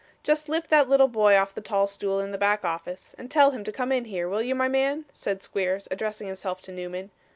Just lift that little boy off the tall stool in the back office, and tell him to come in here, will you, my man?' said Squeers, addressing himself to Newman.